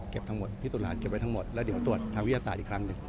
ทั้งหมดพิสูจน์หลักฐานเก็บไว้ทั้งหมดแล้วเดี๋ยวตรวจทางวิทยาศาสตร์อีกครั้งหนึ่ง